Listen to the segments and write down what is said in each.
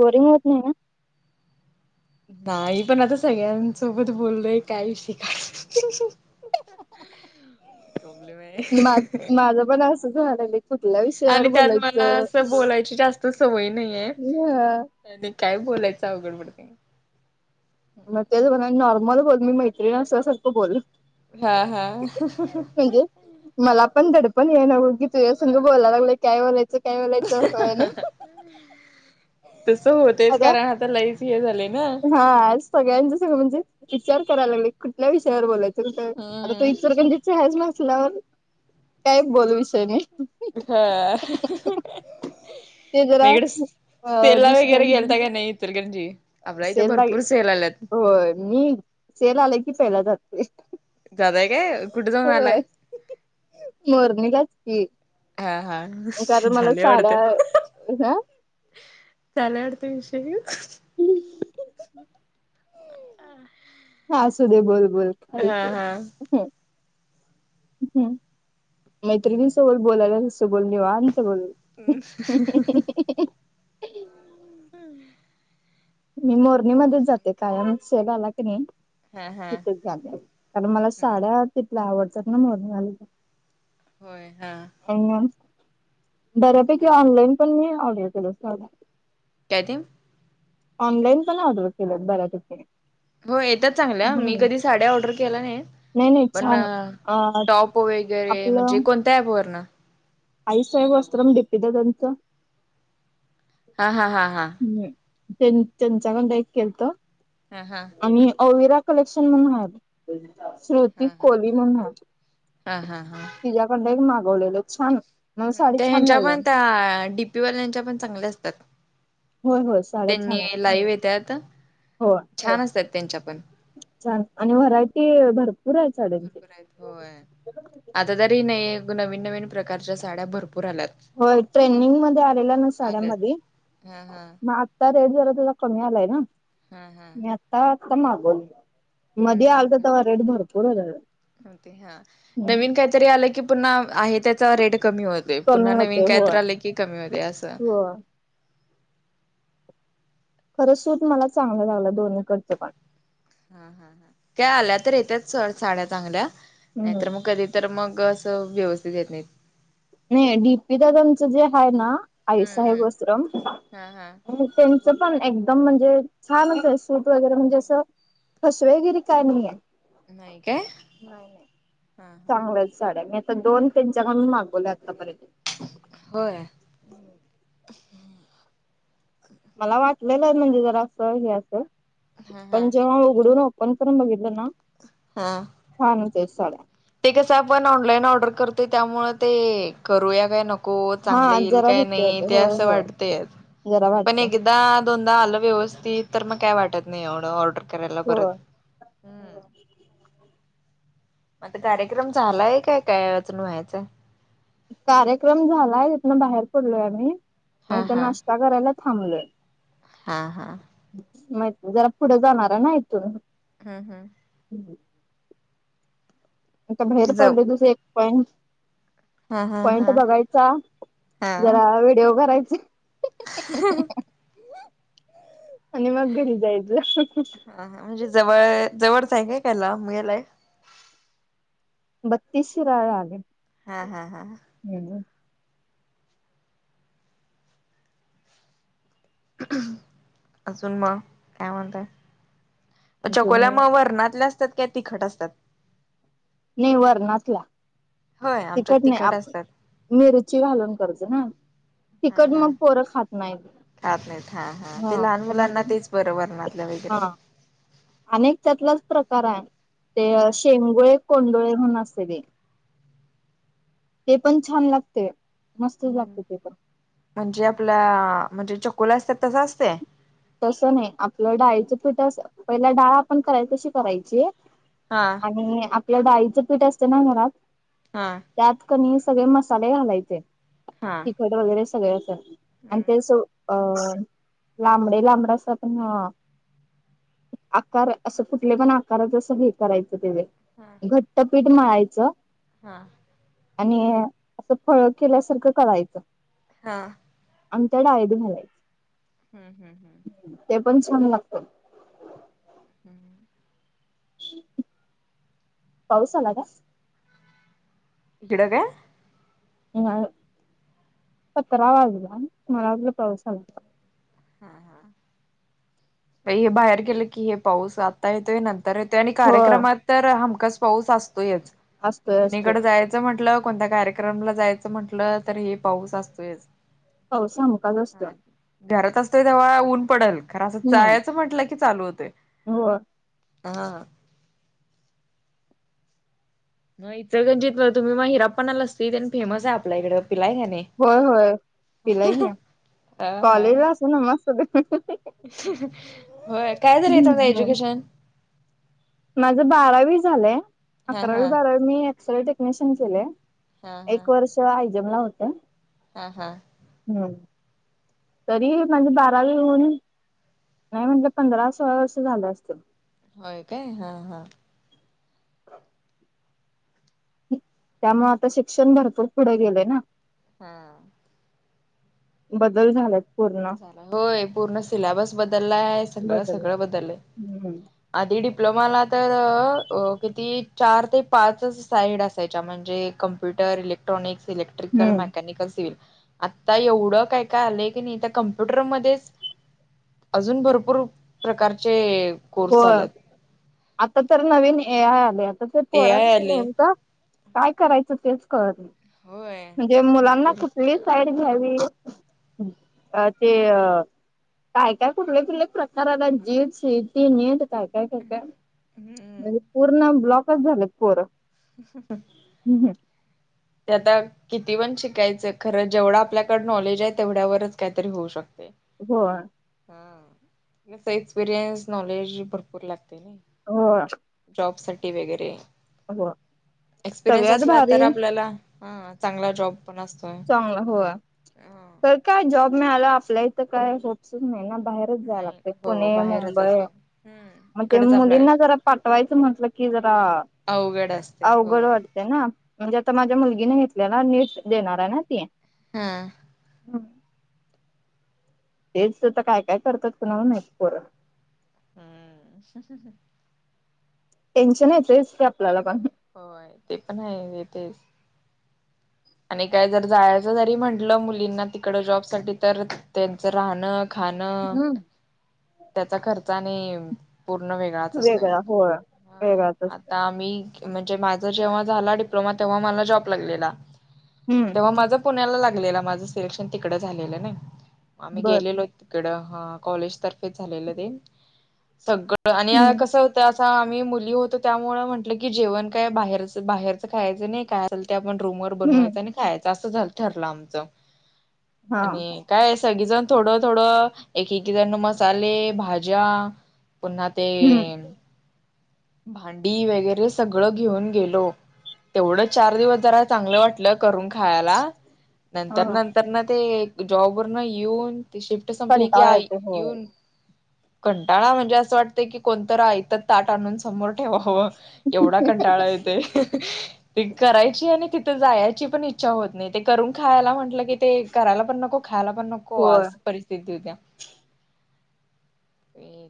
Boring होत नाय ना. नाय पण आता सगळ्यांसोबत बोललोय काय विषय काढ [inaudible] आहे. मग माझं पण असंच व्हायला लागलंय. आणि त्यात मला असं बोलायची जास्त सवय नाहीये. ते काय बोलायचं अवघड पडते. मग तेचं म्हणाल नॉर्मल बोल, मी मैत्रीण असल्यासारखं बोल. हा हा. म्हणजे मला पण दडपण याय नगो की तुझ्या संग बोलाय लागयलो काय बोलाय? च काय बोलायच होय ना आता तर लईच हे झालंय ना. हा सगळ्यांच सगळं म्हणजे विचार करायला लागले कुठल्या विषयावर बोलाय आता तू हम्म इचलकरंजीची आहेस मसल्यावर काय बोलू विषय मी? हा. ते मग जरा इकडे अ सेलला दुसऱ्या वगैरे गेलता का नाय इचलकरंजी आपल्या इथं सेल बाई भरपूर सेल आल्यात. होय मी सेल आले की पहिला जाते. जाताय काय कुठे जाऊन आलाय होय मोरणीलाच की. हा हा वीस तीस कारण मला झाले वाटते. साड्या ह झालाय वाटतं विषय आ. असूदे बोल बोल खाय [unintelligible] हम्म. हम्म हम्म. मैत्रिणीसोबत बोललालास तसे बोल निवांत बोल. [inaudible] मी मोरणीमध्येच जाते कायम सेल आला की नाय. हा हा. तिथेच झालंय कारण मला हम्म साड्या तिथल्या आवडतात ना म्हणून आली. होय हा. अह बऱ्यापैकी ऑनलाईन पण मी ऑर्डर केल्या साड्या काय ते? ऑनलाईन पण ऑर्डर केल्यात बऱ्यापैकी हो येतात चांगल्या मी हम्म कधी साड्या ऑर्डर केल्या नाय. नाही नाही पण छान अ टॉप वगैरे म्हणजे आपलं कोणत्या ॲपवरण? आई साहेब वस्त्रम डी पी दादाचं. हा हा हा हा. हम् त्यां त्यांच्याकडं एक केलंत. हा हा आणि ओविरा कलेक्शन मग हानलो. श्रुती हा कोली हा म्हणून हाय हा हा हा तिच्या- [unintelligible] मागवलेलं छान मला साडी त्या छान ह्यांच्या लागल्या पण त्या, डीपीवाल्यांच्या पण चांगल्या असतात. होय [unintelligible] त्यांनी लाईव्ह येतात. हो छान असतात त्यांच्या पण, छान आणि व्हरायटी भरपूर आहे साड्यांची- भरपूर आता तरी नाई नवीन नवीन प्रकारच्या साड्या भरपूर आल्यात. होय ट्रेंडिंग मध्ये आलेला ना साड्यामध्ये आल्यात हा हा मधी. आता रेट जरा तेझा कमी आलाय ना, हा हा मी आता आता मागवली. हम्म मध्ये हम्म आलंत हम्म तेव्हा रेट भरपूर होता तेचा. तरी आलं की पुन्हा आहे त्याचा रेट कमी होते, कमी पुन्हा नवीन होते होय काहीतरी आले की कमी होते असं- होय खरं सुत मला चांगलं लागलं दोन्हीकडचं पण, त्या आल्या तर येत्याच सोड साड्या चांगल्या, हम्म नाहीतर मग कधी- तर मग असं व्यवस्थित येत नाहीत. नाही डीपी दादांच जे आहे ना हम्म आईसाहेब हम्म वस्त्रम हा हा त्यां- पण एकदम म्हणजे छानच आहे, सूत वगैरे म्हणजे असं फसवेगिरी काय नाहीये. नाहीय काय. हा हा चांगल्यात साड्या मी आता मी आता दोन त्यांच्याकडून मागवले आतापर्यंत- होय हम्म मला वाटलेलं च म्हणजे जर असं हे असं हा पण हा जेव्हा उघडून बघतो. फोन करून बघितलं नाही. हा छान होतंय सगळं ते कसं आपण ऑनलाईन ऑर्डर करतो, त्यामुळे ते करूया काय नको. हो चांगलं हा येईल जरा का भेटते नाही होते ते होय अस होय वाटतं जरा पण वाटते एक- एकदा दोनदा आलं व्यवस्थित तर मग काय वाटत नाही, एवढं ऑर्डर करायला परत. ह मग आता कार्यक्रम झालाय काय काय वाचून व्हायचं. कार्यक्रम झालाय तिथून बाहेर पडलोय आम्ही, मग हा तिथं हा नाश्ता करायला थांबलोय. हा हा माह जरा पुढं जाणार आहे ना इथून. हम हम हम् आता बाहेर जाऊ पडलो तसं एक पॉइंट- हा हा पॉइंट हा बघायचा जरा व्हिडिओ करायचे. ह [inaudible] आणि मग घरी जायचं. ह म्हणजे जवळ जवळचय हाय काय लांब [unintelligible] बत्तीस शिराळे आले. हा, हा, हा, ह हम् अजून म काय म्हणतय? अजून चकोल्या म वर्णातल्या असत्यात का तिखट असतात. नाही वर्णातल्या होय आमच्यात तिकट नाही, तिखट आप असतात. मिरची घालून करतो ना. हा तिकट हा मग पोरं खात नाही. खात नाहीत हा, हा ते लहान मुलांना तेच बर वर्णातल्या वगैरे आणि एक त्यातलाच प्रकार आहे, ते अं हा शेंगोळे, कोंडोळे म्हणून असते ते. ते पण छान लागते, मस्त म्हण लागते ते पण. म्हणजे आपला म्हणजे चकोल्या त्याच असत्या? तसं नाही आपलं डाळीचं पिठ असं, पहिला डाळ आपण करायची तशी करायची. हा आणि आपलं डाळीचं पीठ असते ना घरात हा त्यात कणी सगळे मसाले घालायचे हा तिखट वगैरे सगळं असं. आणि ते सो अ लांबडं- लांबड अस प ह आकार असं कुठले पण आकारात असं हे करायचं तेथे हा घट्टपीठ मळायचं. हां आणि असं फळ केल्यासारखं करायचं. हा अंन् त्या डाळीत घालाय हम, हम, हं ते पण छान लागत. हम्म पाऊसला आला का? इकडं का? पत रावगला [unintelligible] मला पाऊस आला का. हा, हा आता हे बाहेर गेलं की, हे पाऊस आता येतोय नं तर, त्यांनी होय कार्यक्रमात तर ह हमखास पाऊस असतोयच असतोय असतोय कुणिकडं जायच म्हटलं कोणत्या कार्यक्रमला जायचं म्हटलं, तरी हे पाऊस असतोयच. पाऊस हमखास असतोय ह घरात असतोय तेव्हा ऊन पडलं, खंर चायच म्हटलं की चालू होतोय हो हा हे नाही इथं म्हणजे म तुम्ही मग हिरापनन्न, ला सीझनअसत आणि फेमस आहे आपल्या इकडे फ्री का नई होय, होय पिलायं ना हा हा कॉलेजला असू ना मस्त ब होय काय झालंय ता एज्युकेशन? माझं बारावी झालंय, हा अकरावी, हा बारावी मी एक्सलले टेक्निशियन केले. हा हा एक वर्ष हाय जमा होत. हा, हा हम्म तरी माझी बारावी होऊन, नाही म्हणलं पंधरा सोळा वर्ष झालं असतील. होय काय हा हा त्यामुळे आता शिक्षण भरपूर पुढे गेलेय ना. हा बदल झालाय. होय पूर्ण सिलेबस बदलला आहे, सगळं बदल सगळं बदललंय. हम्म. आधी डिप्लोमाला तर किती चार ते पाचच साईड असायच्या म्हणजे कं- इ्रिक, इलेक्ट्रिकल, हम्म मकनिकल, सिव्हिल आता एवढं काय काय आलं की, कम्प्युटरमध्ये अजून भरपूर प्रकारचे, कोर्स होय आलेत आता तर नवीन ए आय आला ते ए आय पोरास्नी आले नेमका- काय करायचं तेच कळत नाही, होय म्हणजे मुलांना भरपूर कुठं - कुटली साईड घ्यावी. अ ते अ काय काय कुठले कुठले प्रकारला जी- ती नेट काय काय काय काय हम्म. म्हणजे पूर्ण ब्लॉकच झालं पोरं- ह ह हम् हम त्या आता, किती पण शिकायचं, खरं जेवढं आपल्याकड नॉलेज आहे तेवढ्यावरच काहीतरी होऊ शकते. हो हा एक्सपिरियन्स नॉलेज भरपूर लागते ना- हो जॉब साठी वगैरे, होय एक्सपिरियनस सगळ्यात असला तर- भारी त्याला चांगला जॉब पण असतोय. चांगला हो हा. तर काय जॉब मिळाला आपल्या इथं काय होप्स नाही ना बाहेर- नाही लागते हो पुणे, बाहेरच मुंबई असते. हम्म. मग ते तिकडच आपला मुलींना जरा पाटवायचं म्हटलं की, की जरा. अवघड असते अवघड होय. वाटते ना म्हणजे आता माझ्या मुलगीने घेतलेला नीट देणार आहे ना ती, हम्म हम्म हा तेच आता काय काय करतात कुणाला माहीत. हा [inaudible] टेन्शन येतंच की ते आपल्याला पण, होय ते पण आहे येते. आणि काय जर जायचं जरी म्हटलं, मुलींना तिकड जॉब साठी तर त्यांचं राहणं खाणं, हम्म त्याचा खर्चाने- पूर्ण वेगळाच असतोय, वेगळा होय वेगळाच असतो आता आम्ही- म्हणजे माझा जेव्हा झाला डिप्लोमा, तेव्हा मला जॉब लागलेला. हम्म मग माझा पुण्याला लागलेला, माझं सिलेक्शन तिकड झालेलं नाही आम्ही बर गेलेलो. तिकड हा कॉलेज तर्फेच झालेलं ते, सगळं आणि हम्म कसं - तर असं आम्ही मुली होतो त्यामुळे म्हटलं की, जेवण काय बाहेरच बाहेरचं खायचं नाही काय असेल ते आपण रूम करु. हम्म बनवायच आणि खायचं अस ठरलं आमच हा आणि, काय सगळीजण थोडं थोडं एक एकी जण मसाले भाज्या पुन्हा, हम्म ते.... भांडी वगैरे सगळं घेऊन गेलो, तेवढं चार दिवस जरा चांगलं वाटलं करून खायला, नंतर ह -नंतर ना ते जॉब वर न येऊन ते शिफ्ट संपली की कंटाळा आय येतो होय येऊन कंटाळा म्हणजे असं वाटतंय की, कोणतर आयतं ताट आणून समोर ठेवावं. एवढा कंटाळा येतोय, ती करायची आणि ति त जायाची पण इच्छा होत नाही, ते करून खायाला म्हटलं की ते करायला पण नको, खायाला पण नको होय आस परिस्थिती येत्या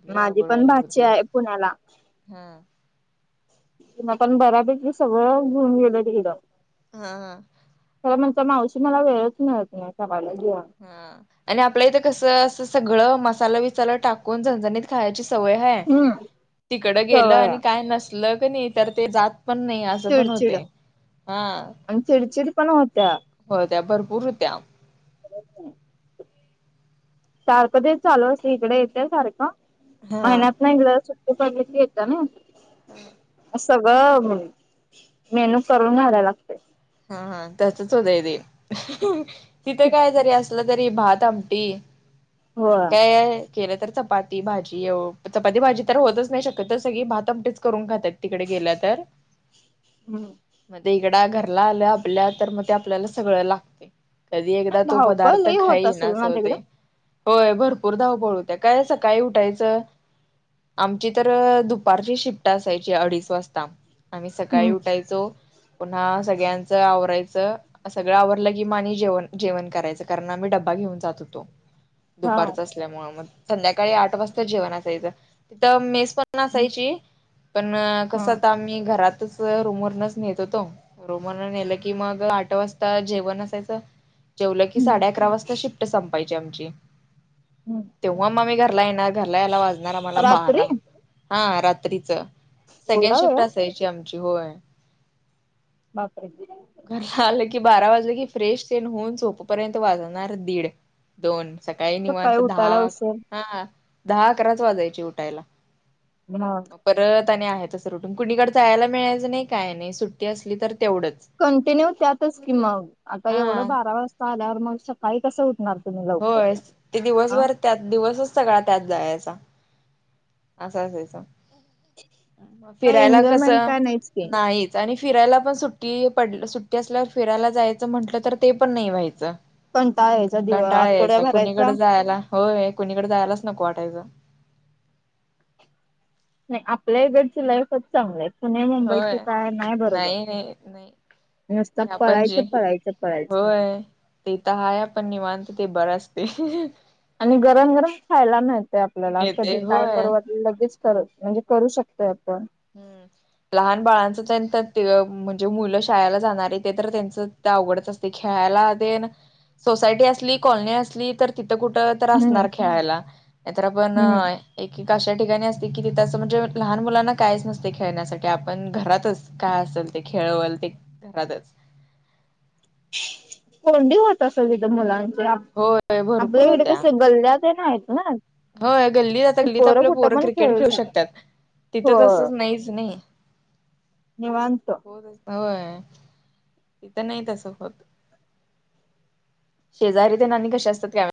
लय माझी अवघड पण व्हायले भाची होते आहे पुण्याला. हा आपण बरापैकी सगळं घेऊन गेले तिकडं हा, हं खरं म्हणजे मावशी मला वेळच मिळत नाही, करायला घे [unintelligible] हा आणि आपल्या इथं कसं असं सगळं मसाला विसाला टाकून झणझणीत खायची सवय आहे. होय, हम्म तिकड गेलं सवय आणि आहे काय नसलं क नाही तर ते जात पण नाही [unintelligible] बनवते हा, आणं चिडचिड पण होत्या. होत्या भरपूर होत्या, सारखं ते चालू असते इकडं येत्या सारखा, हा. महिन्यातन एकदा सुट् [unintelligible] येता ना. हा सगळं रमुन, करून घायला लागतंय. हा, हा तसंच होतय ते, तिथं काय जरी अस असलं तरी भात, आमटी आणि काय होय ये केलं तर चपाती, भाजी अं चपाती, भाजी तर होतच नाही शक्यतो सगळी भात, आमटीच करून खातायत. तिकडे गेला तर हम् मध्ये इकडं घरला आलो आपल्या, तर मग ते आपल्याला सगळं लागतंय. कधी एकदा तो धावपळ पदार्थ लई होत खाईन असेल असं ना तिकडं? होते. होय भरपूर धावपळ होत्या, काय सकाळी उठायचं आमची तर अं दुपारची शिफ्ट असायची अडीच वाजता. आम्ही सकाळी हम्म उठायचो, पुन्हा सगळ्यांच आवरायचं आ सगळं आवरलं की मग आणि जेवण, जेवण करायचं कारण आम्ही डब्बा घेऊन जात होतो. हा दुपारचं असल्यामुळं म संध्याकाळी आठ वाजता जेवण असायचं तिथं मेस पण ण असायची पण अं हा कसं आता आम्ही घरातच रूमवरनचं नेत होतो. रूमवरनं नेलं की मग आठ वाजता जेवण असायचं, जेवलं की हम्म साडे अकरा वाजता शिफ्ट संपायची आमची. हम्, तेव्हा मग आम्ही घरला येणार, घरला यायला वाजणार आम्हाला रात्री बारा हा रात्रीचं. सेकेंड एवढा शिफ्ट वेळ? असायची आमची, होय. बापरे, घरला आलं की बारा वाजलं की फ्रेश तेन होऊन झोपपर्यंत वाजणार दीड दोन सकाळी निवांत दहा उठायला उशीर. हा दहा, अकराच वाजायची उठायला. मग [unintelligible] परत आणि आहे तसं रुटीन कुणीकडं जायाला मिळायचं नाही, काय नाही सुट्टी असली तर तेवढंच. कंटीन्यू त्यातच की मग आता, एवढं हा बारा वाजता आल्यावर मग सकाळी कसं उठणार? तुम्ही लवकर? होय, ते आ दिवसभर त्यात, दिवसच सगळा त्यात जायाचा. असं असायच, काय फिरायला एन्जॉयमेंट कसं काय नाहीच की नाहीत. आणि फिरायला पण सुट्टी, पड सुट्टी असल्यावर फिरायला जायाचं म्हटलं तर ते पण नाही व्हायचं. कंटाळा यायचा दिव कंटाळा आठवड्या यायचा, कुणीकडं भरायचा. जायाला, होय कुणीकडं जायालाच नको वाटायचं. आपल्या इकडची लाईफच चांगली हाय पुण्या- होय मुंबईची काय नाय बरोबर. नाही नाही नाही नुसता ते आपण पळायचं, जे पळायचं, पळायचं. होय ते इथं हाय आपण निवांत ते बरं असतंय. आणि गरम -गरम खायला मिळतय आपल्याला, कधी मिळते काय होय करू वाटलं. लगेच करत, म्हणजे करू शकतोय आपण. हम्, लहान बाळांचच हाय, त्यात ते ह म्हणजे मुलं शाळेला जाणारी ते तर त्यांचंच अवघडच असतय, खेळायला तेन सोसायटी असली कॉलनी असली तर तिथं कुठं तर हम्म असणार खेळायला, नाही तर आपण हम्म अ एकेक अशा ठिकाणी असते कि तिथं असं म्हणजे लहान मुलांना कायच नसतय खेळण्यासाठी, आपण घरातच काय असेल ते खेळवल ते घरातच. कोंडी होत असल तिथं मुलांच, होय भरपूर आपल्या इकड होत्या कसं गल्ल्यात ते नायत ना. होय गल्ली, गल्लीत आता आपल्या कुठं पोरं पण क्रिकेट खेळू शकतात शकत्यात. हो तिथं तसंच नाहीच नई. निवांत. होय, तिथं नाही तस होत. शेजारी तेन आणि कशी असत्यात काय माहित.